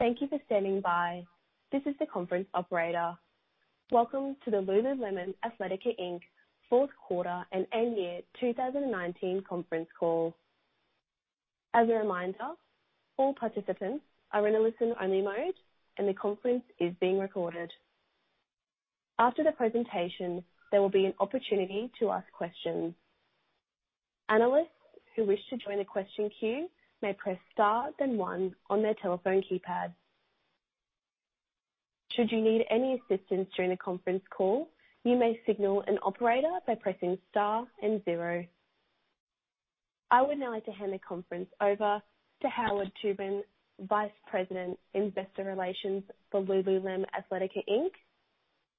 Thank you for standing by. This is the conference operator. Welcome to the Lululemon Athletica Inc. fourth quarter and end year 2019 conference call. As a reminder, all participants are in a listen-only mode, and the conference is being recorded. After the presentation, there will be an opportunity to ask questions. Analysts who wish to join the question queue may press star then one on their telephone keypad. Should you need any assistance during the conference call, you may signal an operator by pressing star and zero. I would now like to hand the conference over to Howard Tubin, Vice President, Investor Relations for Lululemon Athletica Inc.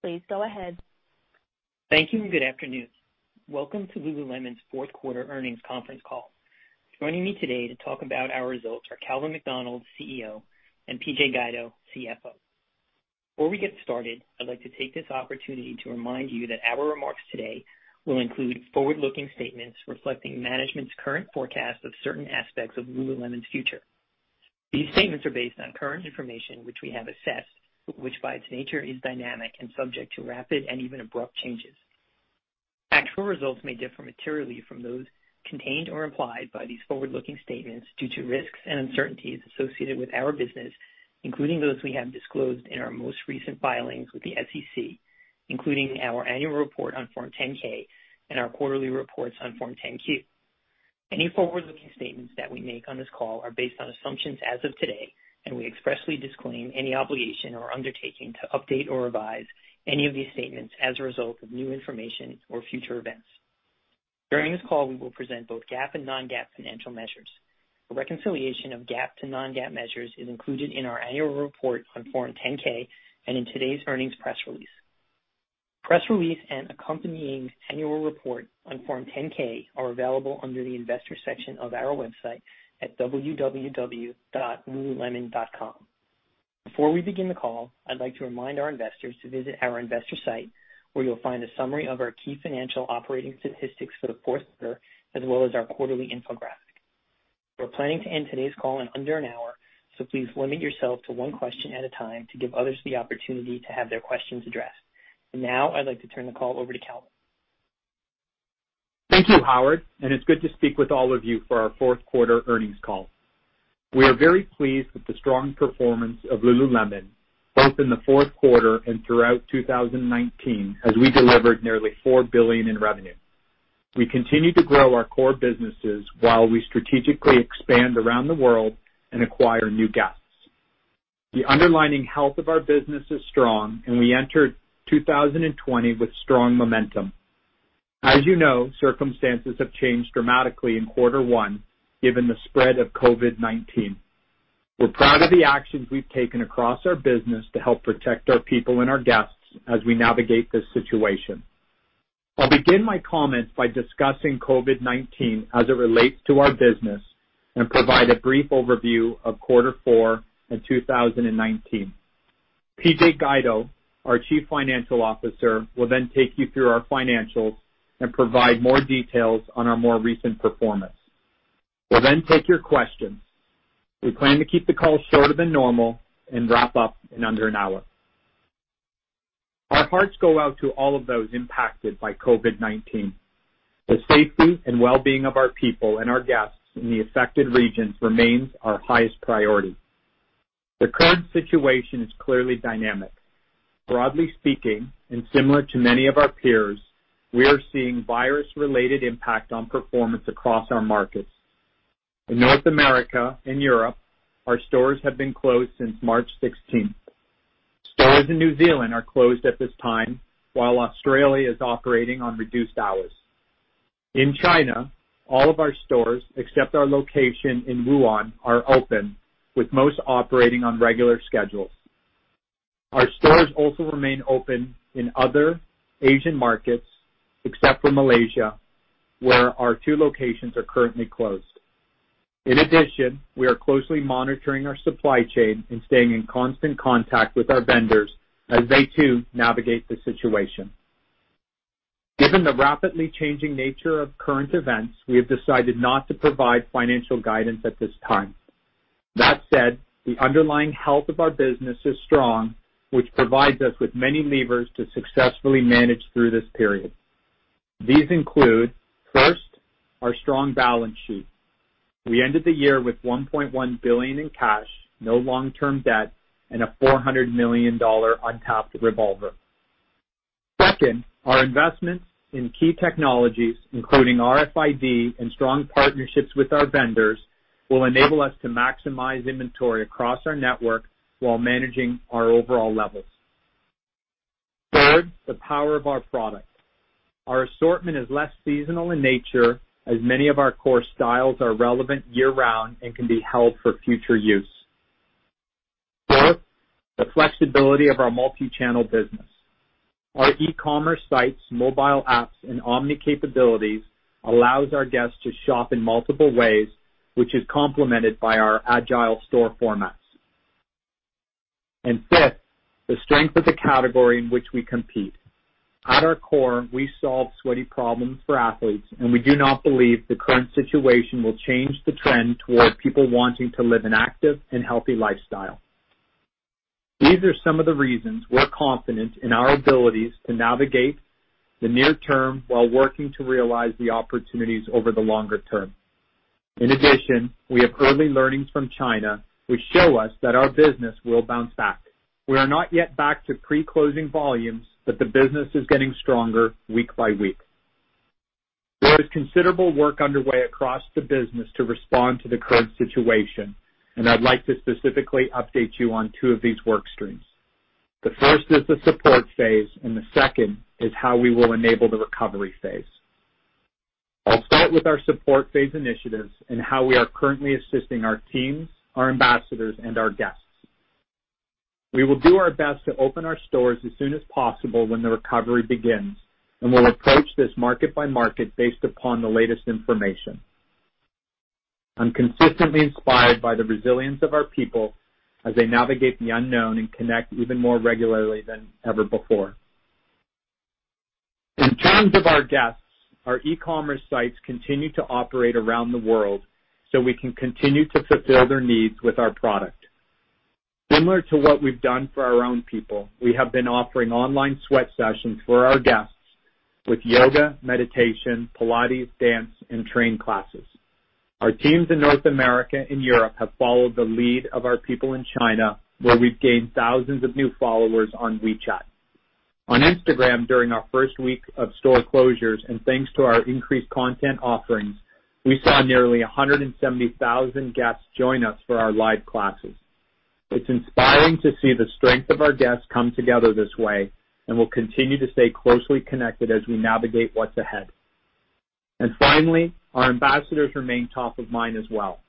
Please go ahead. Thank you. Good afternoon. Welcome to Lululemon's fourth quarter earnings conference call. Joining me today to talk about our results are Calvin McDonald, CEO, and Meghan Frank, CFO. Before we get started, I'd like to take this opportunity to remind you that our remarks today will include forward-looking statements reflecting management's current forecast of certain aspects of Lululemon's future. These statements are based on current information which we have assessed, which by its nature is dynamic and subject to rapid and even abrupt changes. Actual results may differ materially from those contained or implied by these forward-looking statements due to risks and uncertainties associated with our business, including those we have disclosed in our most recent filings with the SEC, including our annual report on Form 10-K and our quarterly reports on Form 10-Q. Any forward-looking statements that we make on this call are based on assumptions as of today, and we expressly disclaim any obligation or undertaking to update or revise any of these statements as a result of new information or future events. During this call, we will present both GAAP and non-GAAP financial measures. A reconciliation of GAAP to non-GAAP measures is included in our annual report on Form 10-K and in today's earnings press release. Press release and accompanying annual report on Form 10-K are available under the investor section of our website at www.lululemon.com. Before we begin the call, I'd like to remind our investors to visit our investor site, where you'll find a summary of our key financial operating statistics for the fourth quarter, as well as our quarterly infographic. We're planning to end today's call in under an hour, so please limit yourself to one question at a time to give others the opportunity to have their questions addressed. Now I'd like to turn the call over to Calvin. Thank you, Howard, and it's good to speak with all of you for our fourth quarter earnings call. We are very pleased with the strong performance of Lululemon, both in the fourth quarter and throughout 2019, as we delivered nearly $4 billion in revenue. We continue to grow our core businesses while we strategically expand around the world and acquire new guests. The underlying health of our business is strong, and we entered 2020 with strong momentum. As you know, circumstances have changed dramatically in quarter one, given the spread of COVID-19. We're proud of the actions we've taken across our business to help protect our people and our guests as we navigate this situation. I'll begin my comments by discussing COVID-19 as it relates to our business and provide a brief overview of quarter four and 2019. Meghan Frank, our Chief Financial Officer, will then take you through our financials and provide more details on our more recent performance. We'll then take your questions. We plan to keep the call shorter than normal and wrap up in under an hour. Our hearts go out to all of those impacted by COVID-19. The safety and wellbeing of our people and our guests in the affected regions remains our highest priority. The current situation is clearly dynamic. Broadly speaking, and similar to many of our peers, we are seeing virus-related impact on performance across our markets. In North America and Europe, our stores have been closed since March sixteenth. Stores in New Zealand are closed at this time, while Australia is operating on reduced hours. In China, all of our stores, except our location in Wuhan, are open, with most operating on regular schedules. Our stores also remain open in other Asian markets, except for Malaysia, where our two locations are currently closed. We are closely monitoring our supply chain and staying in constant contact with our vendors as they too navigate the situation. Given the rapidly changing nature of current events, we have decided not to provide financial guidance at this time. That said, the underlying health of our business is strong, which provides us with many levers to successfully manage through this period. These include, first, our strong balance sheet. We ended the year with $1.1 billion in cash, no long-term debt, and a $400 million untapped revolver. Second, our investments in key technologies, including RFID and strong partnerships with our vendors, will enable us to maximize inventory across our network while managing our overall levels. Third, the power of our product. Our assortment is less seasonal in nature, as many of our core styles are relevant year-round and can be held for future use. Fourth, the flexibility of our multi-channel business. Our e-commerce sites, mobile apps, and omni capabilities allows our guests to shop in multiple ways, which is complemented by our agile store formats. Fifth, the strength of the category in which we compete. At our core, we solve sweaty problems for athletes, and we do not believe the current situation will change the trend toward people wanting to live an active and healthy lifestyle. These are some of the reasons we're confident in our abilities to navigate the near term while working to realize the opportunities over the longer term. In addition, we have early learnings from China, which show us that our business will bounce back. We are not yet back to pre-closing volumes, but the business is getting stronger week by week. There is considerable work underway across the business to respond to the current situation, and I'd like to specifically update you on two of these work streams. The first is the support phase, and the second is how we will enable the recovery phase. I'll start with our support phase initiatives and how we are currently assisting our teams, our ambassadors, and our guests. We will do our best to open our stores as soon as possible when the recovery begins, and we'll approach this market by market based upon the latest information. I'm consistently inspired by the resilience of our people as they navigate the unknown and connect even more regularly than ever before. In terms of our guests, our e-commerce sites continue to operate around the world so we can continue to fulfill their needs with our product. Similar to what we've done for our own people, we have been offering online sweat sessions for our guests with yoga, meditation, Pilates, dance, and train classes. Our teams in North America and Europe have followed the lead of our people in China, where we've gained thousands of new followers on WeChat. On Instagram, during our first week of store closures and thanks to our increased content offerings, we saw nearly 170,000 guests join us for our live classes. It's inspiring to see the strength of our guests come together this way, and we'll continue to stay closely connected as we navigate what's ahead. Finally, our ambassadors remain top of mind as well.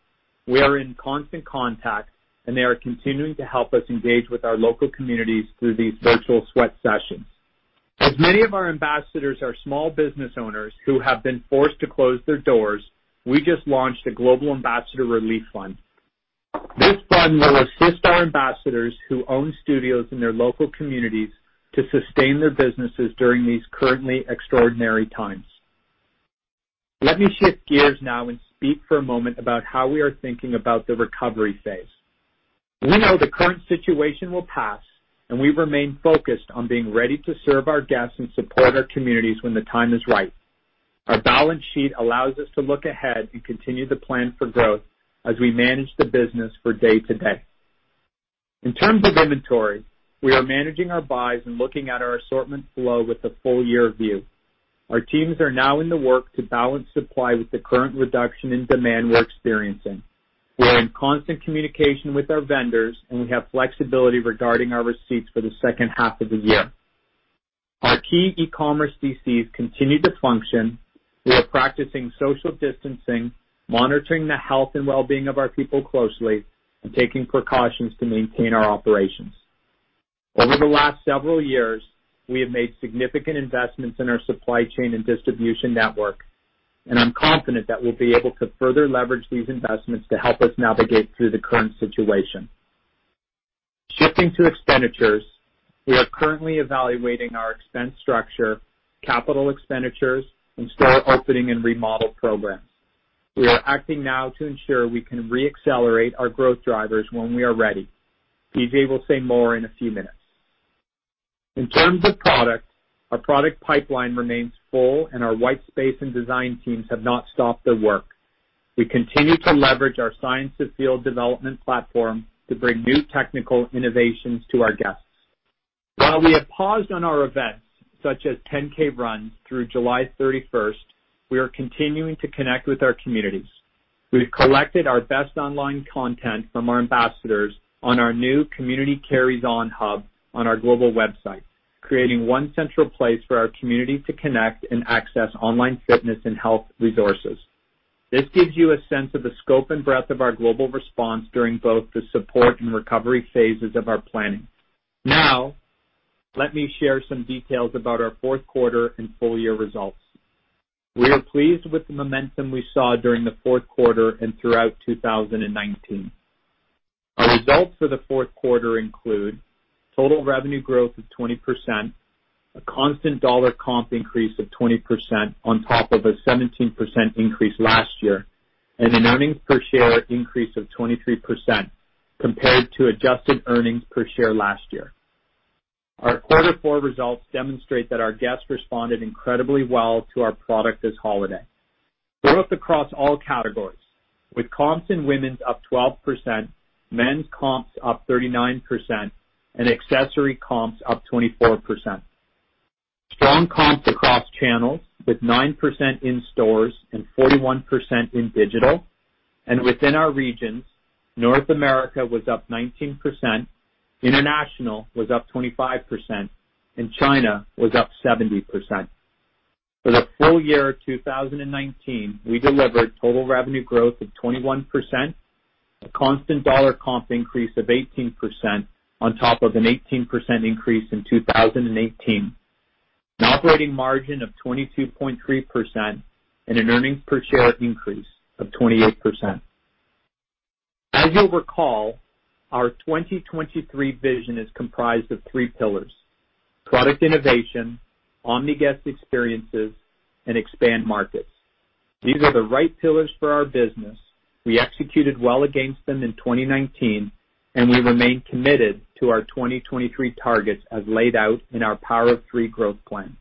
We are in constant contact, and they are continuing to help us engage with our local communities through these virtual sweat sessions. As many of our ambassadors are small business owners who have been forced to close their doors, we just launched a global ambassador relief fund. This fund will assist our ambassadors who own studios in their local communities to sustain their businesses during these currently extraordinary times. Let me shift gears now and speak for a moment about how we are thinking about the recovery phase. We know the current situation will pass, and we remain focused on being ready to serve our guests and support our communities when the time is right. Our balance sheet allows us to look ahead and continue to plan for growth as we manage the business for day to day. In terms of inventory, we are managing our buys and looking at our assortment flow with a full-year view. Our teams are now in the work to balance supply with the current reduction in demand we're experiencing. We're in constant communication with our vendors, and we have flexibility regarding our receipts for the second half of the year. Our key e-commerce DCs continue to function. We are practicing social distancing, monitoring the health and wellbeing of our people closely, and taking precautions to maintain our operations. Over the last several years, we have made significant investments in our supply chain and distribution network, and I'm confident that we'll be able to further leverage these investments to help us navigate through the current situation. Shifting to expenditures, we are currently evaluating our expense structure, capital expenditures, and store opening and remodel programs. We are acting now to ensure we can re-accelerate our growth drivers when we are ready. PJ will say more in a few minutes. In terms of product, our product pipeline remains full, and our white space and design teams have not stopped their work. We continue to leverage our Science of Feel development platform to bring new technical innovations to our guests. While we have paused on our events, such as 10K runs, through July 31st, we are continuing to connect with our communities. We've collected our best online content from our ambassadors on our new Community Carries On hub on our global website, creating one central place for our community to connect and access online fitness and health resources. This gives you a sense of the scope and breadth of our global response during both the support and recovery phases of our planning. Let me share some details about our fourth quarter and full-year results. We are pleased with the momentum we saw during the fourth quarter and throughout 2019. Our results for the fourth quarter include total revenue growth of 20%, a constant dollar comp increase of 20% on top of a 17% increase last year, and an earnings per share increase of 23% compared to adjusted earnings per share last year. Our quarter four results demonstrate that our guests responded incredibly well to our product this holiday. Growth across all categories, with comps in women's up 12%, men's comps up 39%, accessory comps up 24%. Strong comps across channels, with 9% in stores and 41% in digital. Within our regions, North America was up 19%, international was up 25%, and China was up 70%. For the full year 2019, we delivered total revenue growth of 21%, a constant dollar comp increase of 18% on top of an 18% increase in 2018, an operating margin of 22.3%, and an EPS increase of 28%. As you'll recall, our 2023 vision is comprised of three pillars, product innovation, omni guest experiences, and expand markets. These are the right pillars for our business. We executed well against them in 2019, and we remain committed to our 2023 targets as laid out in our Power of Three growth plan.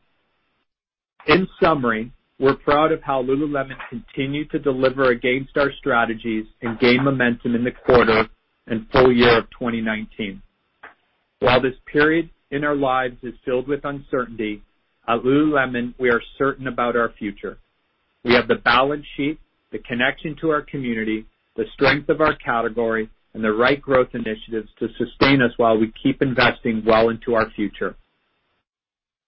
In summary, we're proud of how Lululemon continued to deliver against our strategies and gain momentum in the quarter and full year of 2019. While this period in our lives is filled with uncertainty, at Lululemon, we are certain about our future. We have the balance sheet, the connection to our community, the strength of our category, and the right growth initiatives to sustain us while we keep investing well into our future.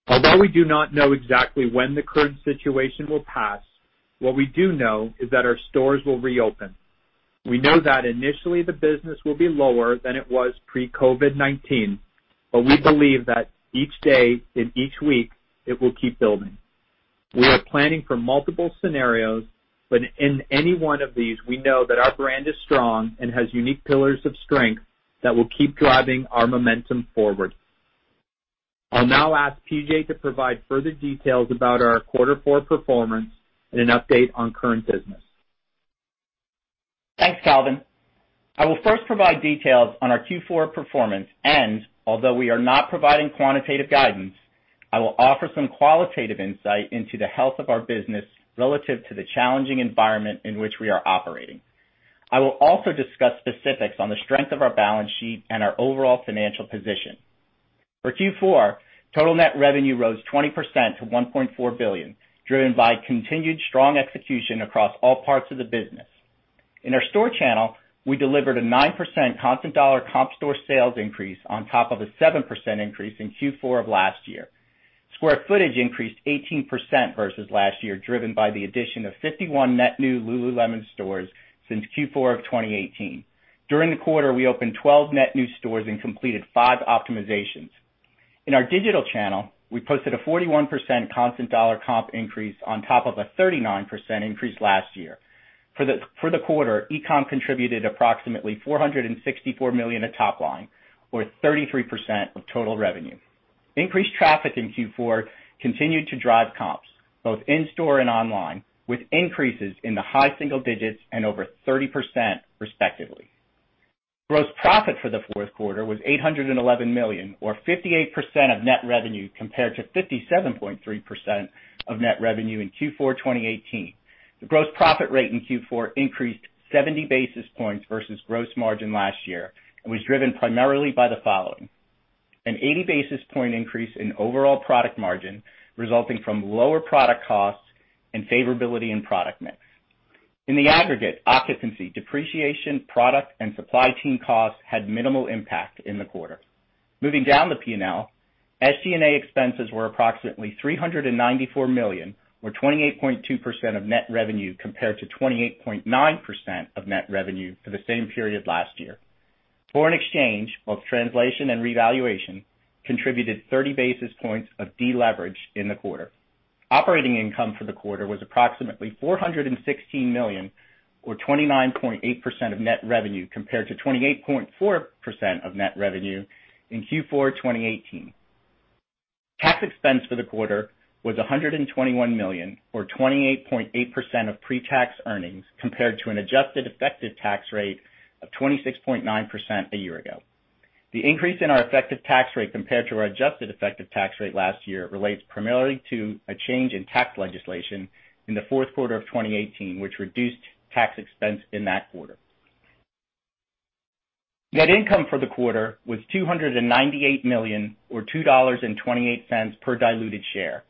Although we do not know exactly when the current situation will pass, what we do know is that our stores will reopen. We know that initially the business will be lower than it was pre-COVID-19. We believe that each day and each week, it will keep building. We are planning for multiple scenarios. In any one of these, we know that our brand is strong and has unique pillars of strength that will keep driving our momentum forward. I'll now ask PJ to provide further details about our quarter four performance and an update on current business. Thanks, Calvin. Although we are not providing quantitative guidance, I will first provide details on our Q4 performance, I will offer some qualitative insight into the health of our business relative to the challenging environment in which we are operating. I will also discuss specifics on the strength of our balance sheet and our overall financial position. For Q4, total net revenue rose 20% to $1.4 billion, driven by continued strong execution across all parts of the business. In our store channel, we delivered a 9% constant dollar comp store sales increase on top of a 7% increase in Q4 of last year. Square footage increased 18% versus last year, driven by the addition of 51 net new Lululemon stores since Q4 of 2018. During the quarter, we opened 12 net new stores and completed five optimizations. In our digital channel, we posted a 41% constant dollar comp increase on top of a 39% increase last year. For the quarter, e-com contributed approximately $464 million of top line, or 33% of total revenue. Increased traffic in Q4 continued to drive comps, both in-store and online, with increases in the high single digits and over 30% respectively. Gross profit for the fourth quarter was $811 million, or 58% of net revenue, compared to 57.3% of net revenue in Q4 2018. The gross profit rate in Q4 increased 70 basis points versus gross margin last year, and was driven primarily by the following. An 80 basis point increase in overall product margin, resulting from lower product costs and favorability in product mix. In the aggregate, occupancy, depreciation, product, and supply team costs had minimal impact in the quarter. Moving down the P&L, SG&A expenses were approximately $394 million, or 28.2% of net revenue, compared to 28.9% of net revenue for the same period last year. Foreign exchange, both translation and revaluation, contributed 30 basis points of deleverage in the quarter. Operating income for the quarter was approximately $416 million, or 29.8% of net revenue, compared to 28.4% of net revenue in Q4 2018. Tax expense for the quarter was $121 million, or 28.8% of pre-tax earnings, compared to an adjusted effective tax rate of 26.9% a year ago. The increase in our effective tax rate compared to our adjusted effective tax rate last year relates primarily to a change in tax legislation in the fourth quarter of 2018, which reduced tax expense in that quarter. Net income for the quarter was $298 million, or $2.28 per diluted share,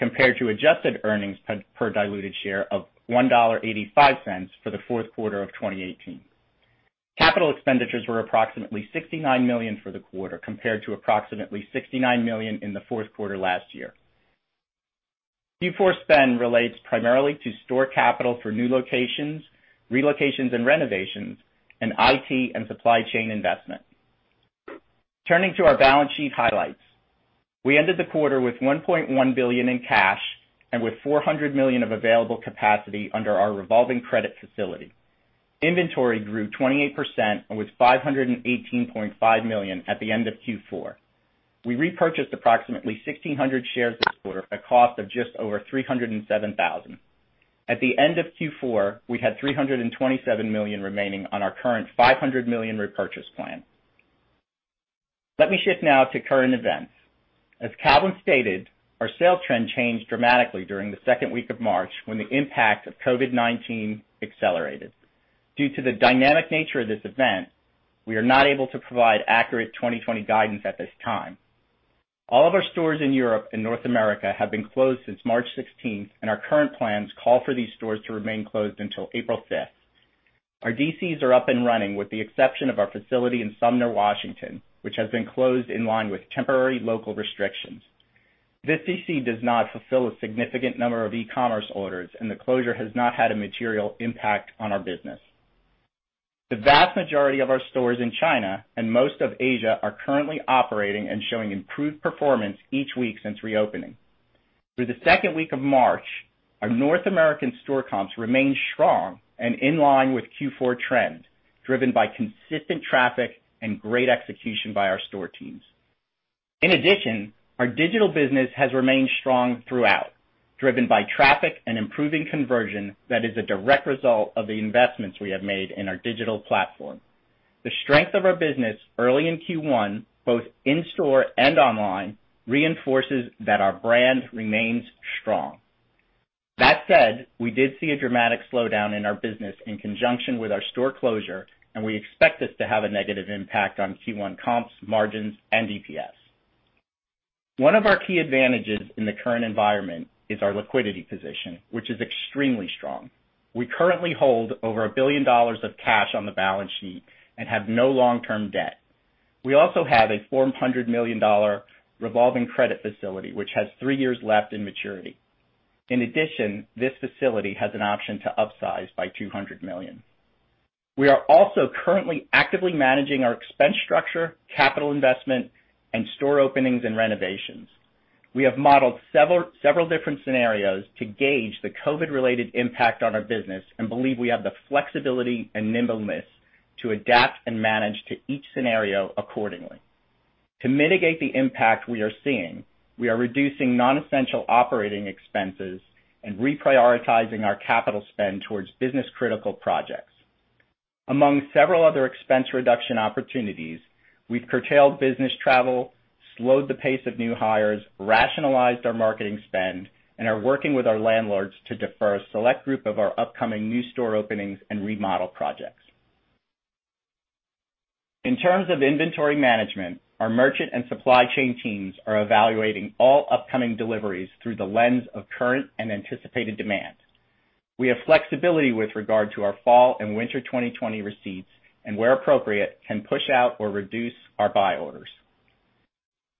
compared to adjusted earnings per diluted share of $1.85 for the fourth quarter of 2018. Capital expenditures were approximately $69 million for the quarter, compared to approximately $69 million in the fourth quarter last year. Q4 spend relates primarily to store capital for new locations, relocations and renovations, and IT and supply chain investment. Turning to our balance sheet highlights. We ended the quarter with $1.1 billion in cash and with $400 million of available capacity under our revolving credit facility. Inventory grew 28% and was $518.5 million at the end of Q4. We repurchased approximately 1,600 shares this quarter at a cost of just over $307,000. At the end of Q4, we had $327 million remaining on our current $500 million repurchase plan. Let me shift now to current events. As Calvin stated, our sales trend changed dramatically during the second week of March when the impact of COVID-19 accelerated. Due to the dynamic nature of this event, we are not able to provide accurate 2020 guidance at this time. All of our stores in Europe and North America have been closed since March 16th. Our current plans call for these stores to remain closed until April 5th. Our DCs are up and running with the exception of our facility in Sumner, Washington, which has been closed in line with temporary local restrictions. This DC does not fulfill a significant number of e-commerce orders. The closure has not had a material impact on our business. The vast majority of our stores in China and most of Asia are currently operating and showing improved performance each week since reopening. Through the second week of March, our North American store comps remained strong and in line with Q4 trend, driven by consistent traffic and great execution by our store teams. In addition, our digital business has remained strong throughout, driven by traffic and improving conversion that is a direct result of the investments we have made in our digital platform. The strength of our business early in Q1, both in store and online, reinforces that our brand remains strong. That said, we did see a dramatic slowdown in our business in conjunction with our store closure, and we expect this to have a negative impact on Q1 comps, margins, and EPS. One of our key advantages in the current environment is our liquidity position, which is extremely strong. We currently hold over $1 billion of cash on the balance sheet and have no long-term debt. We also have a $400 million revolving credit facility, which has three years left in maturity. In addition, this facility has an option to upsize by $200 million. We are also currently actively managing our expense structure, capital investment, and store openings and renovations. We have modeled several different scenarios to gauge the COVID-related impact on our business and believe we have the flexibility and nimbleness to adapt and manage to each scenario accordingly. To mitigate the impact we are seeing, we are reducing non-essential operating expenses and reprioritizing our capital spend towards business-critical projects. Among several other expense reduction opportunities, we've curtailed business travel, slowed the pace of new hires, rationalized our marketing spend, and are working with our landlords to defer a select group of our upcoming new store openings and remodel projects. In terms of inventory management, our merchant and supply chain teams are evaluating all upcoming deliveries through the lens of current and anticipated demand. We have flexibility with regard to our fall and winter 2020 receipts, and where appropriate, can push out or reduce our buy orders.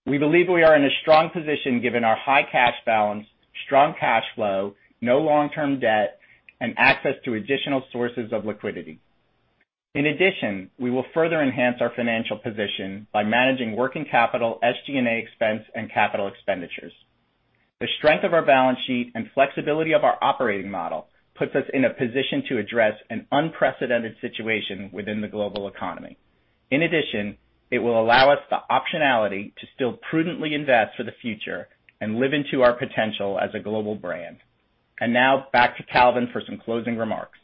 We believe we are in a strong position given our high cash balance, strong cash flow, no long-term debt, and access to additional sources of liquidity. In addition, we will further enhance our financial position by managing working capital, SG&A expense, and capital expenditures. The strength of our balance sheet and flexibility of our operating model puts us in a position to address an unprecedented situation within the global economy. In addition, it will allow us the optionality to still prudently invest for the future and live into our potential as a global brand. Now, back to Calvin for some closing remarks.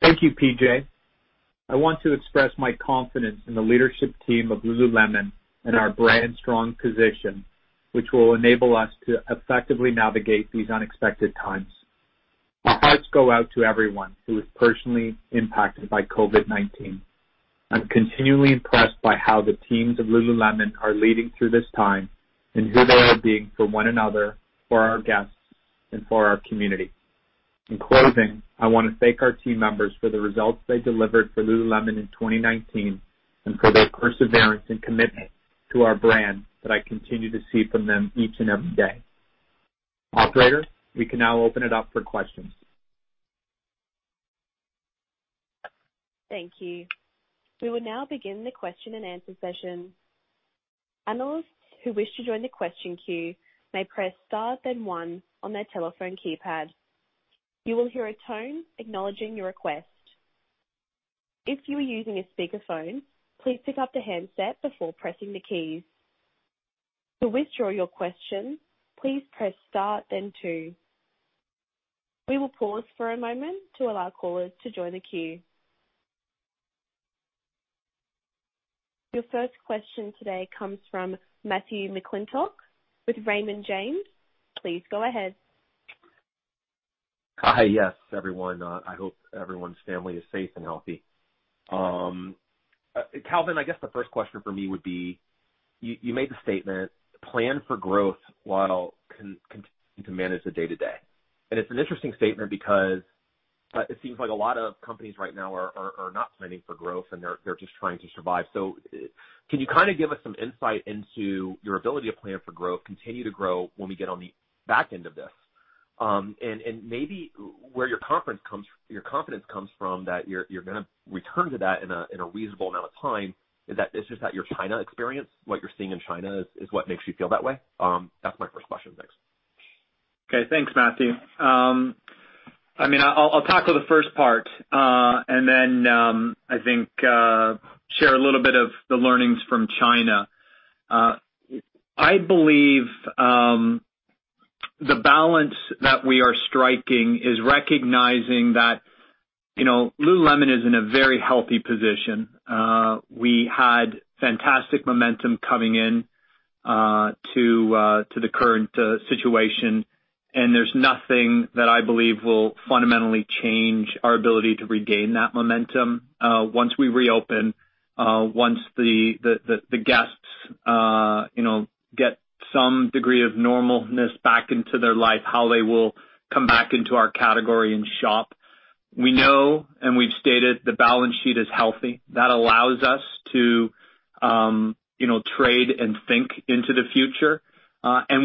Thank you, PJ. I want to express my confidence in the leadership team of Lululemon and our brand strong position, which will enable us to effectively navigate these unexpected times. My hearts go out to everyone who is personally impacted by COVID-19. I'm continually impressed by how the teams of Lululemon are leading through this time and who they are being for one another, for our guests, and for our community. In closing, I want to thank our team members for the results they delivered for Lululemon in 2019 and for their perseverance and commitment to our brand that I continue to see from them each and every day. Operator, we can now open it up for questions. Thank you. We will now begin the question and answer session. Analysts who wish to join the question queue may press star then one on their telephone keypad. You will hear a tone acknowledging your request. If you are using a speakerphone, please pick up the handset before pressing the keys. To withdraw your question, please press star then two. We will pause for a moment to allow callers to join the queue. Your first question today comes from Matthew McClintock with Raymond James. Please go ahead. Hi, yes, everyone. I hope everyone's family is safe and healthy. Calvin, I guess the first question for me would be, you made the statement, plan for growth while continuing to manage the day-to-day. It's an interesting statement because it seems like a lot of companies right now are not planning for growth, and they're just trying to survive. Can you kind of give us some insight into your ability to plan for growth, continue to grow when we get on the back end of this? Maybe where your confidence comes from that you're gonna return to that in a reasonable amount of time. Is this just that your China experience, what you're seeing in China, is what makes you feel that way? That's my first question. Thanks. Okay. Thanks, Matthew. I'll tackle the first part, and then, I think, share a little bit of the learnings from China. I believe the balance that we are striking is recognizing that Lululemon is in a very healthy position. We had fantastic momentum coming in to the current situation, and there's nothing that I believe will fundamentally change our ability to regain that momentum once we reopen, once the guests get some degree of normalness back into their life, how they will come back into our category and shop. We know, and we've stated, the balance sheet is healthy. That allows us to trade and think into the future.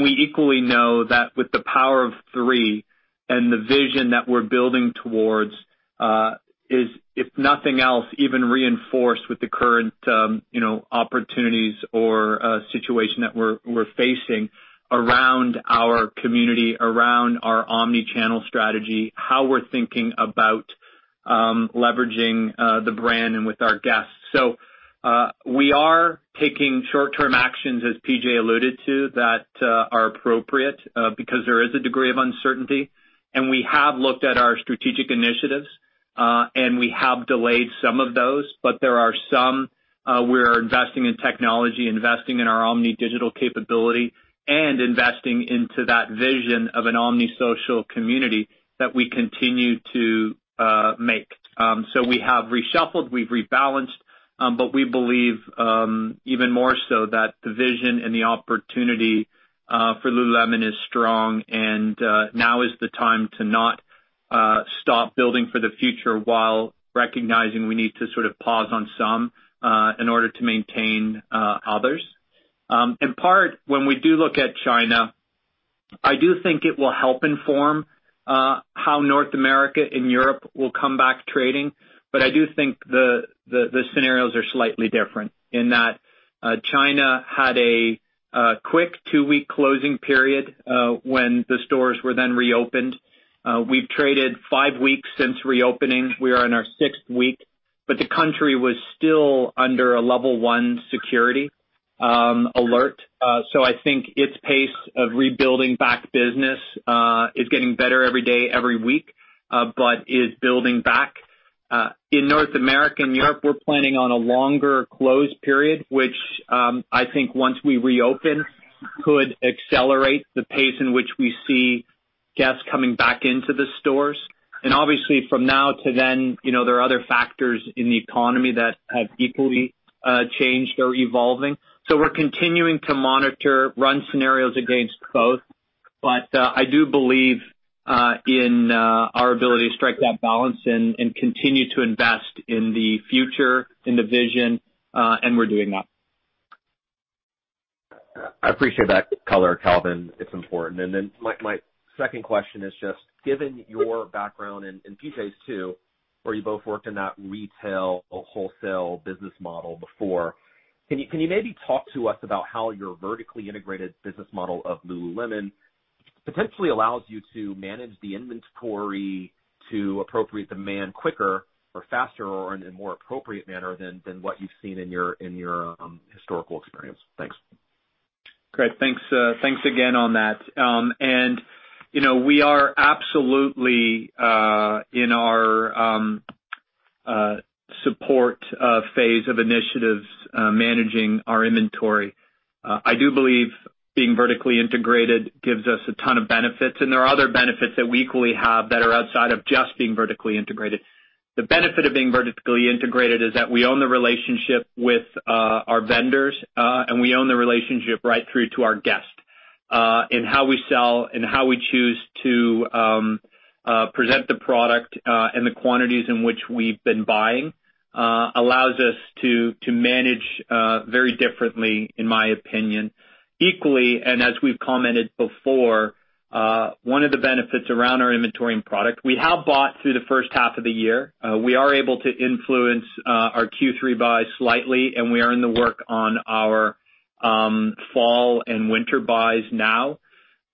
We equally know that with the Power of Three and the vision that we're building towards, is, if nothing else, even reinforced with the current opportunities or situation that we're facing around our community, around our omni-channel strategy, how we're thinking about leveraging the brand and with our guests. We are taking short-term actions, as Meghan Frank alluded to, that are appropriate, because there is a degree of uncertainty. We have looked at our strategic initiatives, and we have delayed some of those. There are some, we're investing in technology, investing in our omni-digital capability, and investing into that vision of an omni-social community that we continue to make. We have reshuffled, we've rebalanced, but we believe, even more so that the vision and the opportunity for Lululemon is strong and now is the time to not stop building for the future while recognizing we need to sort of pause on some in order to maintain others. In part, when we do look at China, I do think it will help inform how North America and Europe will come back trading. I do think the scenarios are slightly different in that China had a quick two-week closing period when the stores were then reopened. We've traded five weeks since reopening. We are in our sixth week, but the country was still under a level 1 security alert. I think its pace of rebuilding back business, is getting better every day, every week, but is building back. In North America and Europe, we're planning on a longer closed period, which, I think once we reopen, could accelerate the pace in which we see guests coming back into the stores. Obviously from now to then, there are other factors in the economy that have equally changed or evolving. We're continuing to monitor, run scenarios against both. I do believe in our ability to strike that balance and continue to invest in the future, in the vision, and we're doing that. I appreciate that color, Calvin. It's important. My second question is just given your background and PJ's too, where you both worked in that retail or wholesale business model before, can you maybe talk to us about how your vertically integrated business model of Lululemon potentially allows you to manage the inventory to appropriate demand quicker or faster or in a more appropriate manner than what you've seen in your historical experience? Thanks. Great. Thanks again on that. We are absolutely in our support phase of initiatives, managing our inventory. I do believe being vertically integrated gives us a ton of benefits, and there are other benefits that we equally have that are outside of just being vertically integrated. The benefit of being vertically integrated is that we own the relationship with our vendors, and we own the relationship right through to our guest. How we sell and how we choose to present the product, and the quantities in which we've been buying, allows us to manage very differently, in my opinion. Equally, and as we've commented before, one of the benefits around our inventory and product, we have bought through the first half of the year. We are able to influence our Q3 buys slightly, and we are in the work on our fall and winter buys now.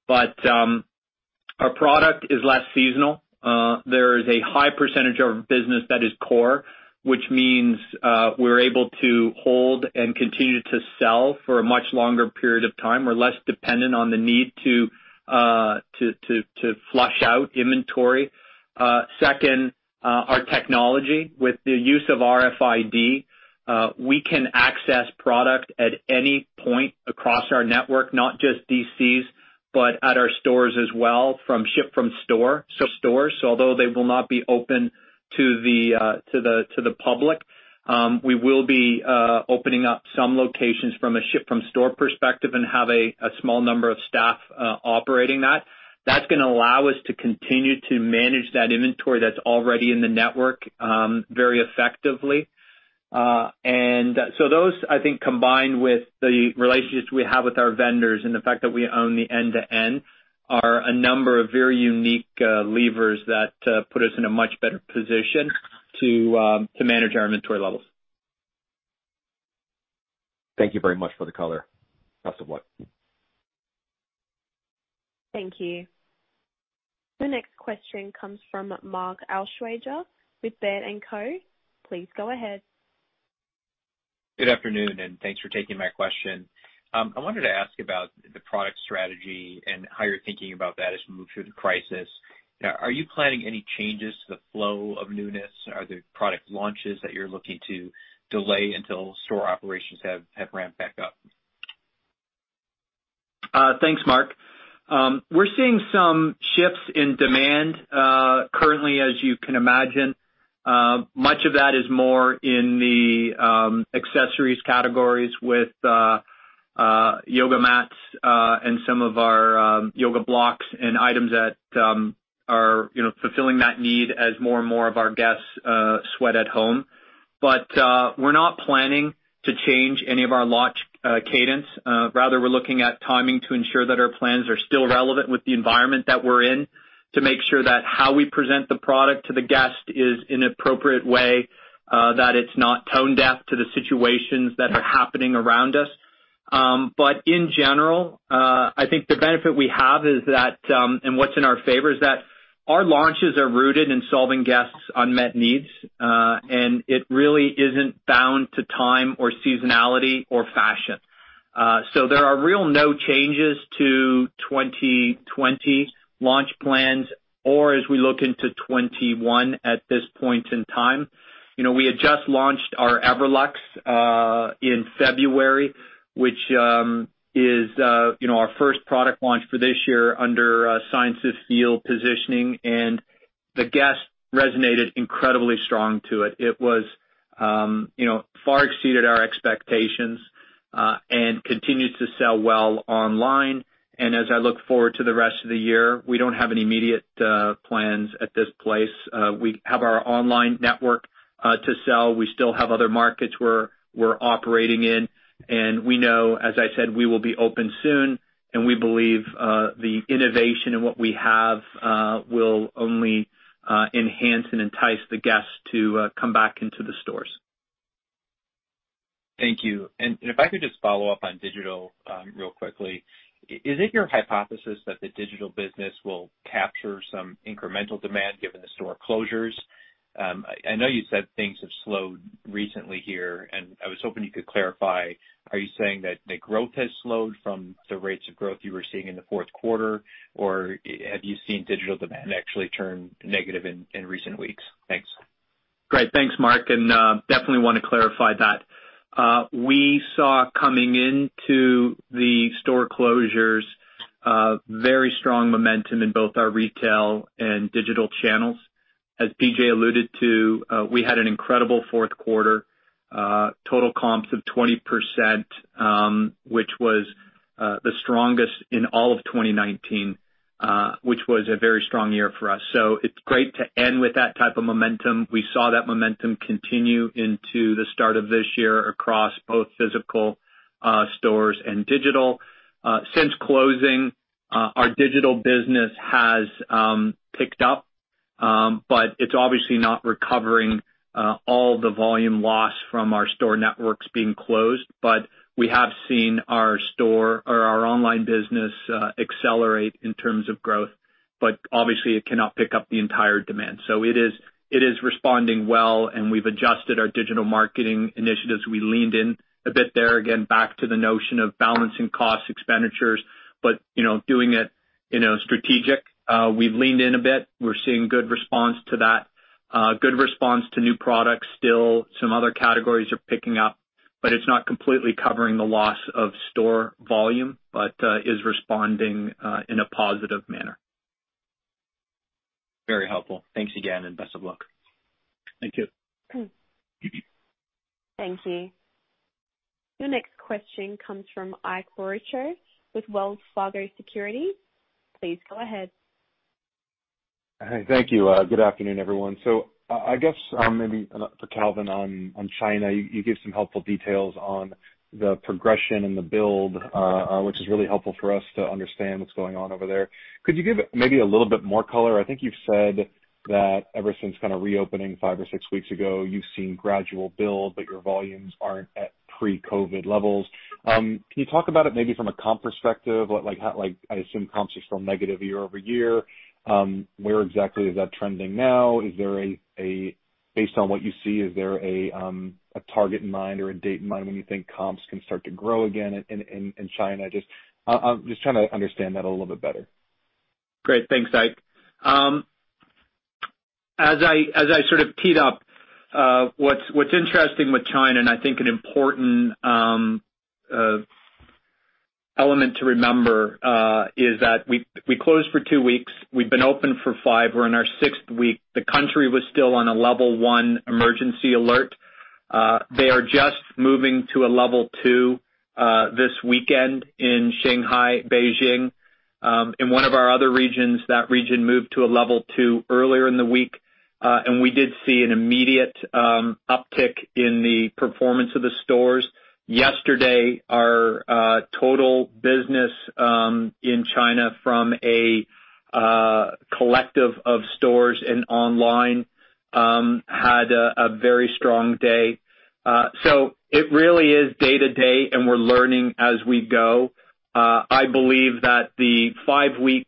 Our product is less seasonal. There is a high percentage of business that is core, which means we're able to hold and continue to sell for a much longer period of time. We're less dependent on the need to flush out inventory. Second, our technology with the use of RFID, we can access product at any point across our network, not just DCs, but at our stores as well from ship from store. Although they will not be open to the public, we will be opening up some locations from a ship from store perspective and have a small number of staff operating that. That's going to allow us to continue to manage that inventory that's already in the network very effectively. Those, I think combined with the relationships we have with our vendors and the fact that we own the end-to-end are a number of very unique levers that put us in a much better position to manage our inventory levels. Thank you very much for the color. Best of luck. Thank you. The next question comes from Mark Altschwager with Baird & Co. Please go ahead. Good afternoon, and thanks for taking my question. I wanted to ask about the product strategy and how you're thinking about that as you move through the crisis. Are you planning any changes to the flow of newness? Are there product launches that you're looking to delay until store operations have ramped back up? Thanks, Mark. We're seeing some shifts in demand. Currently, as you can imagine, much of that is more in the accessories categories with yoga mats and some of our yoga blocks and items that are fulfilling that need as more and more of our guests sweat at home. We're not planning to change any of our launch cadence. Rather, we're looking at timing to ensure that our plans are still relevant with the environment that we're in to make sure that how we present the product to the guest is in an appropriate way, that it's not tone-deaf to the situations that are happening around us. In general, I think the benefit we have, and what's in our favor, is that our launches are rooted in solving guests' unmet needs. It really isn't bound to time or seasonality or fashion. There are really no changes to 2020 launch plans or as we look into 2021 at this point in time. We had just launched our Everlux in February, which is our first product launch for this year under Science of Feel positioning, and the guests resonated incredibly strongly to it. It far exceeded our expectations, and continues to sell well online. As I look forward to the rest of the year, we don't have any immediate plans at this place. We have our online network to sell. We still have other markets we're operating in, and we know, as I said, we will be open soon, and we believe the innovation in what we have will only enhance and entice the guests to come back into the stores. Thank you. If I could just follow up on digital real quickly. Is it your hypothesis that the digital business will capture some incremental demand given the store closures? I know you said things have slowed recently here, I was hoping you could clarify, are you saying that the growth has slowed from the rates of growth you were seeing in the fourth quarter, or have you seen digital demand actually turn negative in recent weeks? Thanks. Great. Thanks, Mark. Definitely want to clarify that. We saw coming into the store closures very strong momentum in both our retail and digital channels. As PJ alluded to, we had an incredible fourth quarter, total comps of 20%, which was the strongest in all of 2019, which was a very strong year for us. It's great to end with that type of momentum. We saw that momentum continue into the start of this year across both physical stores and digital. Since closing, our digital business has picked up, it's obviously not recovering all the volume loss from our store networks being closed. We have seen our online business accelerate in terms of growth, but obviously it cannot pick up the entire demand. It is responding well, and we've adjusted our digital marketing initiatives. We leaned in a bit there. Back to the notion of balancing cost expenditures, but doing it strategic. We've leaned in a bit. We're seeing good response to that, good response to new products still. Some other categories are picking up. It's not completely covering the loss of store volume, but is responding in a positive manner. Very helpful. Thanks again, and best of luck. Thank you. Thank you. Your next question comes from Ike Boruchow with Wells Fargo Securities. Please go ahead. Hey, thank you. Good afternoon, everyone. I guess maybe for Calvin on China. You gave some helpful details on the progression and the build, which is really helpful for us to understand what's going on over there. Could you give maybe a little bit more color? I think you've said that ever since reopening five or six weeks ago, you've seen gradual build, but your volumes aren't at pre-COVID levels. Can you talk about it maybe from a comp perspective? I assume comps are still negative year-over-year. Where exactly is that trending now? Based on what you see, is there a target in mind or a date in mind when you think comps can start to grow again in China? I'm just trying to understand that a little bit better. Great. Thanks, Ike. As I sort of teed up, what's interesting with China, I think an important element to remember, is that we closed for two weeks. We've been open for five. We're in our sixth week. The country was still on a level 1 emergency alert. They are just moving to a level 2 this weekend in Shanghai, Beijing. In one of our other regions, that region moved to a level 2 earlier in the week. We did see an immediate uptick in the performance of the stores. Yesterday, our total business in China from a collective of stores and online had a very strong day. It really is day to day, and we're learning as we go. I believe that the five-week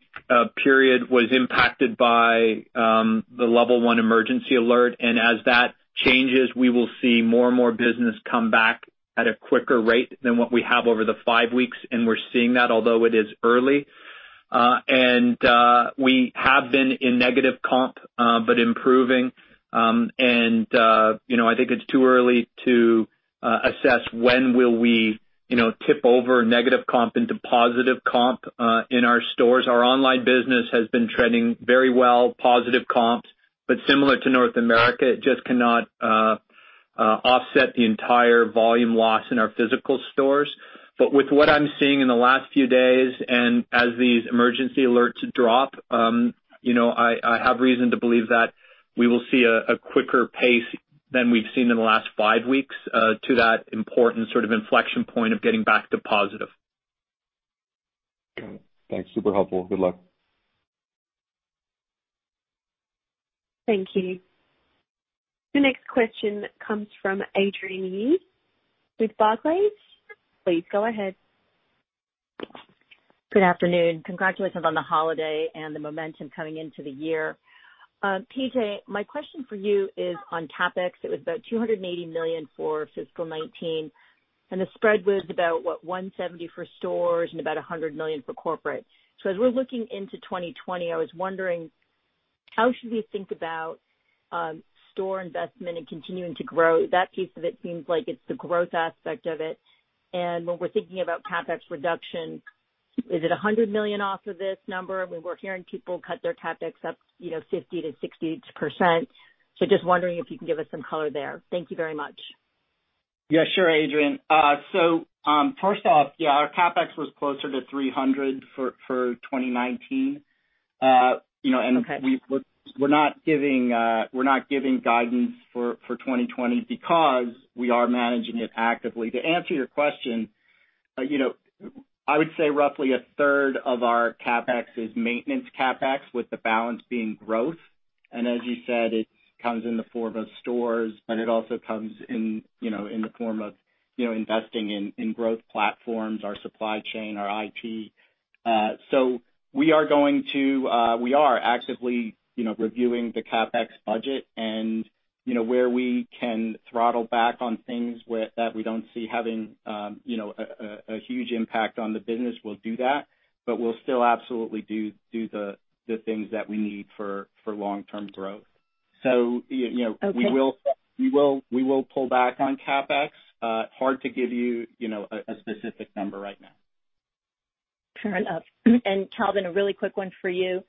period was impacted by the level 1 emergency alert, and as that changes, we will see more and more business come back at a quicker rate than what we have over the five weeks, and we're seeing that, although it is early. We have been in negative comp, but improving. I think it's too early to assess when will we tip over negative comp into positive comp in our stores. Our online business has been trending very well, positive comps. Similar to North America, it just cannot offset the entire volume loss in our physical stores. With what I'm seeing in the last few days, and as these emergency alerts drop, I have reason to believe that we will see a quicker pace than we've seen in the last five weeks to that important sort of inflection point of getting back to positive. Got it. Thanks. Super helpful. Good luck. Thank you. The next question comes from Adrienne Yih with Barclays. Please go ahead. Good afternoon. Congratulations on the holiday and the momentum coming into the year. Meghan, my question for you is on CapEx. It was about $280 million for fiscal 2019, and the spread was about, what, $170 for stores and about $100 million for corporate. As we're looking into 2020, I was wondering, how should we think about store investment and continuing to grow? That piece of it seems like it's the growth aspect of it. When we're thinking about CapEx reduction, is it $100 million off of this number? I mean, we're hearing people cut their CapEx up 50%-60%. Just wondering if you can give us some color there. Thank you very much. Yeah, sure, Adrienne. First off, yeah, our CapEx was closer to $300 for 2019. Okay. We're not giving guidance for 2020 because we are managing it actively. To answer your question, I would say roughly a third of our CapEx is maintenance CapEx, with the balance being growth. As you said, it comes in the form of stores, but it also comes in the form of investing in growth platforms, our supply chain, our IT. We are actively reviewing the CapEx budget and where we can throttle back on things that we don't see having a huge impact on the business, we'll do that, but we'll still absolutely do the things that we need for long-term growth. Okay. We will pull back on CapEx. Hard to give you a specific number right now. Fair enough. Calvin, a really quick one for you.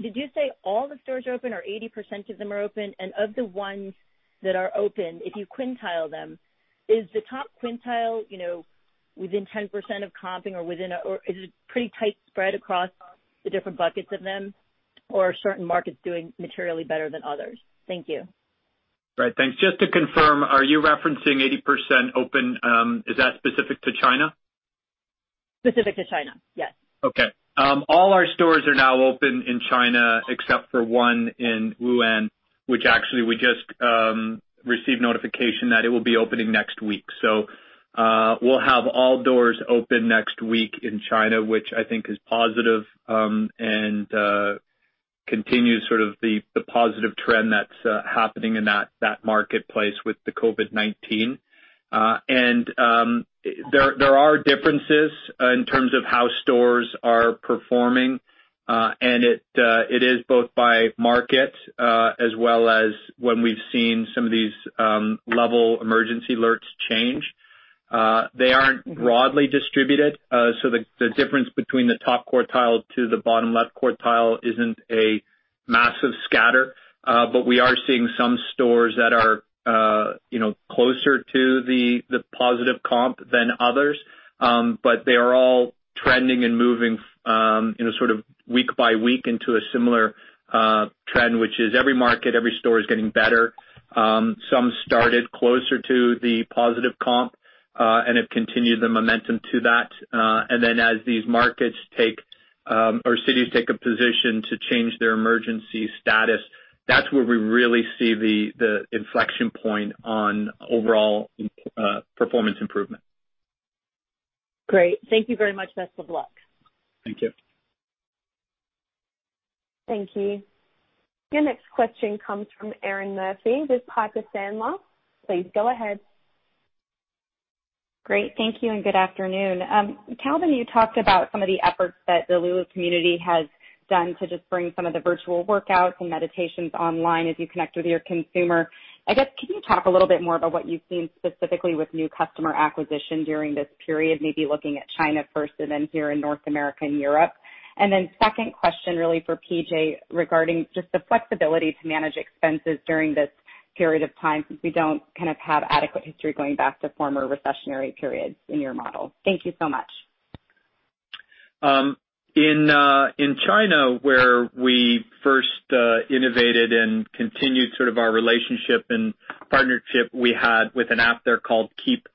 Did you say all the stores are open or 80% of them are open? Of the ones that are open, if you quintile them, is the top quintile within 10% of comping or is it pretty tight spread across the different buckets of them? Are certain markets doing materially better than others? Thank you. Right. Thanks. Just to confirm, are you referencing 80% open, is that specific to China? Specific to China, yes. Okay. All our stores are now open in China except for one in Wuhan, which actually we just received notification that it will be opening next week. We'll have all doors open next week in China, which I think is positive, and continues sort of the positive trend that's happening in that marketplace with the COVID-19. There are differences in terms of how stores are performing. It is both by market, as well as when we've seen some of these level emergency alerts change. They aren't broadly distributed, so the difference between the top quartile to the bottom left quartile isn't a massive scatter. We are seeing some stores that are closer to the positive comp than others. They are all trending and moving in a sort of week by week into a similar trend, which is every market, every store is getting better. Some started closer to the positive comp, and have continued the momentum to that. As these markets take, or cities take a position to change their emergency status, that's where we really see the inflection point on overall performance improvement. Great. Thank you very much. Best of luck. Thank you. Thank you. Your next question comes from Erinn Murphy with Piper Sandler. Please go ahead. Great. Thank you and good afternoon. Calvin, you talked about some of the efforts that the Lulu community has done to just bring some of the virtual workouts and meditations online as you connect with your consumer. I guess, can you talk a little bit more about what you've seen specifically with new customer acquisition during this period? Maybe looking at China first. Then here in North America and Europe. Then second question really for PJ regarding just the flexibility to manage expenses during this period of time, since we don't kind of have adequate history going back to former recessionary periods in your model. Thank you so much. In China, where we first innovated and continued sort of our relationship and partnership we had with an app there called Keep,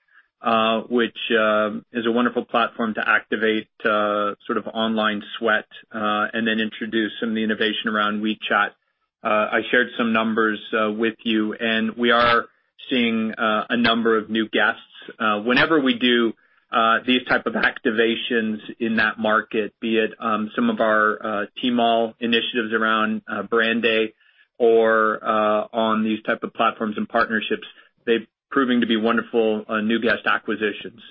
which is a wonderful platform to activate sort of online sweat, introduce some of the innovation around WeChat. I shared some numbers with you. We are seeing a number of new guests. Whenever we do these type of activations in that market, be it some of our Tmall initiatives around brand day or on these type of platforms and partnerships, they're proving to be wonderful new guest acquisitions.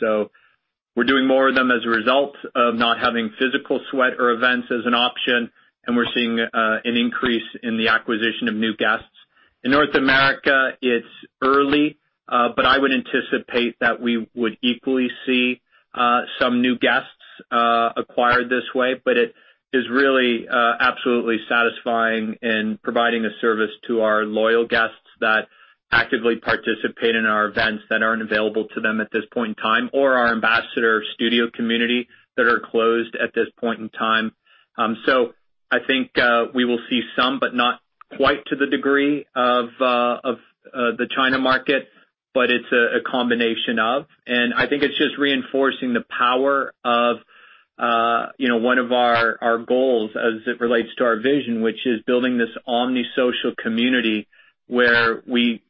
We're doing more of them as a result of not having physical sweat or events as an option. We're seeing an increase in the acquisition of new guests. In North America, it's early. I would anticipate that we would equally see some new guests acquired this way. It is really absolutely satisfying in providing a service to our loyal guests that actively participate in our events that aren't available to them at this point in time, or our ambassador studio community that are closed at this point in time. I think we will see some, but not quite to the degree of the China market. I think it's just reinforcing the power of one of our goals as it relates to our vision, which is building this omni social community where we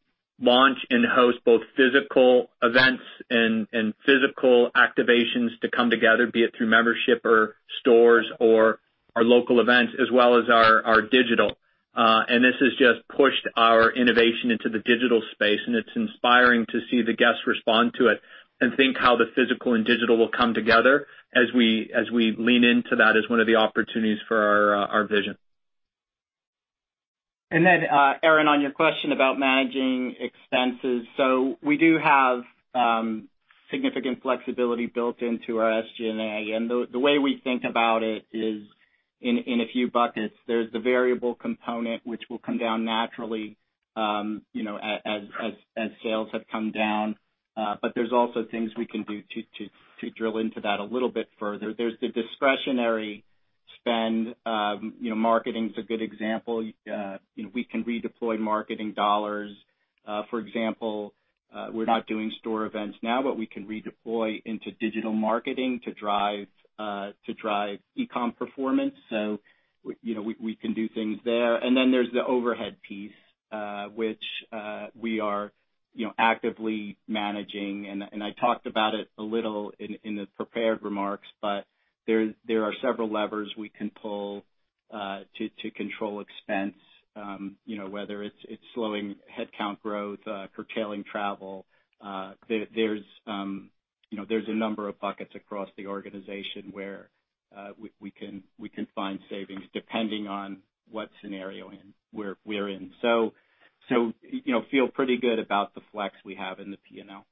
launch and host both physical events and physical activations to come together, be it through membership or stores or our local events, as well as our digital. This has just pushed our innovation into the digital space, and it's inspiring to see the guests respond to it and think how the physical and digital will come together as we lean into that as one of the opportunities for our vision. Erinn, on your question about managing expenses, we do have significant flexibility built into our SG&A. The way we think about it is in a few buckets. There's the variable component, which will come down naturally as sales have come down. There's also things we can do to drill into that a little bit further. There's the discretionary spend. Marketing is a good example. We can redeploy marketing dollars. For example, we're not doing store events now, but we can redeploy into digital marketing to drive e-com performance. We can do things there. There's the overhead piece, which we are actively managing. I talked about it a little in the prepared remarks, but there are several levers we can pull to control expense, whether it's slowing headcount growth, curtailing travel. There's a number of buckets across the organization where we can find savings depending on what scenario we're in. Feel pretty good about the flex we have in the P&L.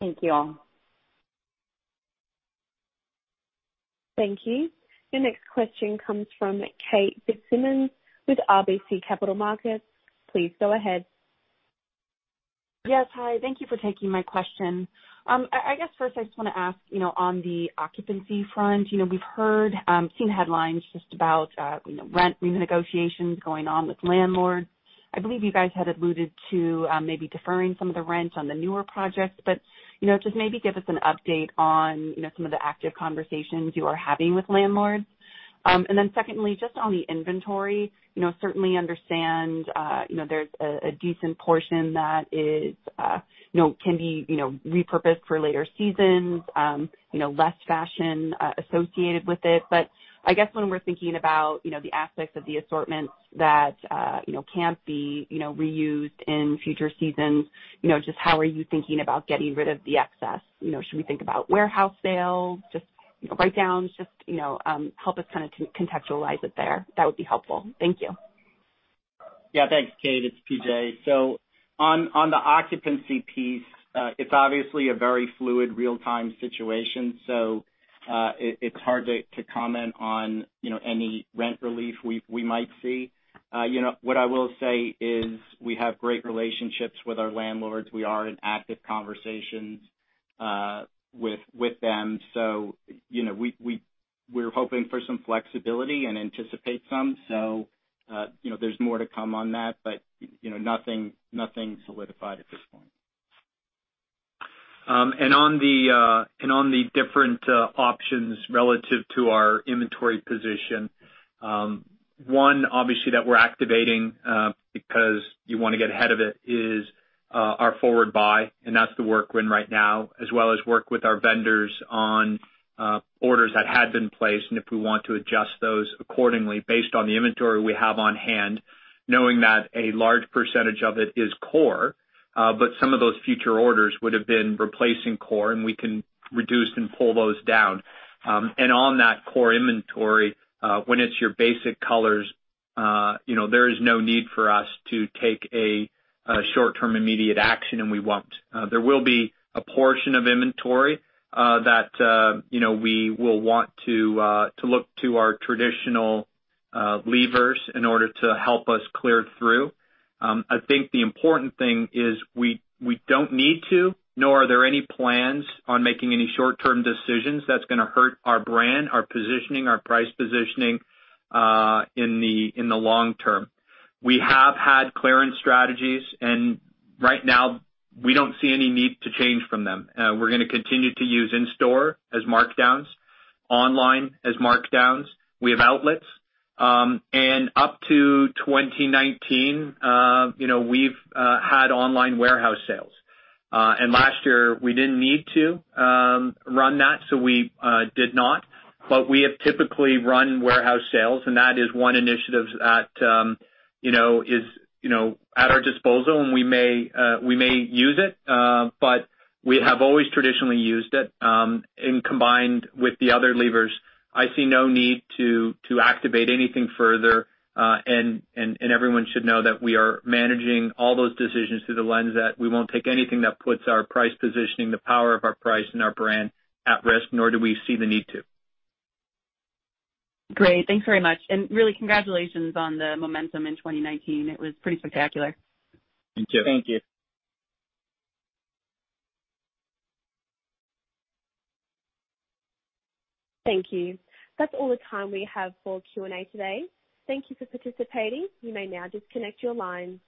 Thank you all. Thank you. Your next question comes from Kate Fitzsimons with RBC Capital Markets. Please go ahead. Yes, hi. Thank you for taking my question. First, I just want to ask on the occupancy front. We've seen headlines just about rent renegotiations going on with landlords. I believe you guys had alluded to maybe deferring some of the rent on the newer projects, but just maybe give us an update on some of the active conversations you are having with landlords. Secondly, just on the inventory. Certainly understand there's a decent portion that can be repurposed for later seasons, less fashion associated with it. When we're thinking about the aspects of the assortments that can't be reused in future seasons, just how are you thinking about getting rid of the excess? Should we think about warehouse sales? Write-downs? Just help us kind of contextualize it there. That would be helpful. Thank you. Thanks, Kate. It's Meghan. On the occupancy piece, it's obviously a very fluid, real-time situation. It's hard to comment on any rent relief we might see. What I will say is we have great relationships with our landlords. We are in active conversations with them. We're hoping for some flexibility and anticipate some. There's more to come on that, but nothing solidified at this point. On the different options relative to our inventory position. One, obviously, that we're activating because you want to get ahead of it is our forward buy, and that's the work we're in right now, as well as work with our vendors on orders that had been placed and if we want to adjust those accordingly based on the inventory we have on hand, knowing that a large percentage of it is core. Some of those future orders would have been replacing core, and we can reduce and pull those down. On that core inventory, when it's your basic colors, there is no need for us to take a short term immediate action, and we won't. There will be a portion of inventory that we will want to look to our traditional levers in order to help us clear through. I think the important thing is we don't need to, nor are there any plans on making any short term decisions that's going to hurt our brand, our positioning, our price positioning in the long term. Right now we don't see any need to change from them. We're going to continue to use in store as markdowns, online as markdowns. We have outlets. Up to 2019, we've had online warehouse sales. Last year we didn't need to run that, so we did not. We have typically run warehouse sales, and that is one initiative that is at our disposal, and we may use it. We have always traditionally used it. Combined with the other levers, I see no need to activate anything further. Everyone should know that we are managing all those decisions through the lens, that we won't take anything that puts our price positioning, the power of our price and our brand at risk, nor do we see the need to. Great. Thanks very much. Really congratulations on the momentum in 2019. It was pretty spectacular. Thank you. Thank you. That's all the time we have for Q&A today. Thank you for participating. You may now disconnect your lines.